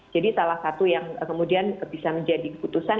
jadi salah satu yang kemudian bisa menjadi keputusan